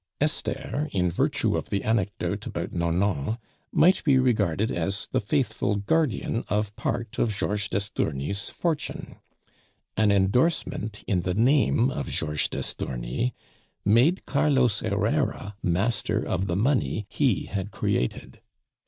Esther, in virtue of the anecdote about Nonon, might be regarded as the faithful guardian of part of Georges d'Estourny's fortune. An endorsement in the name of Georges d'Estourny made Carlos Herrera master of the money he had created.